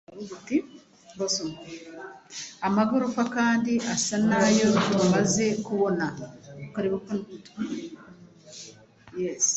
amagorofa kandi asa n'ayo tumaze kubona